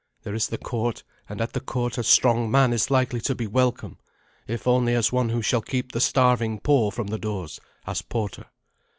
There is the court, and at the court a strong man is likely to be welcome, if only as one who shall keep the starving poor from the doors, as porter."